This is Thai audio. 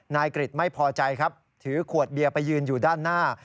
นายกริจไม่พอใจครับถือขวดเบียร์ไปยืนอยู่ด้านหน้า